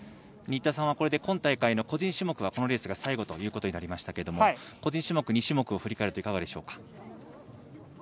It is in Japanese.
新田さんは、これで今大会の個人種目はこのレースが最後となりましたが個人種目２種目を振り返るといかがでしょうか？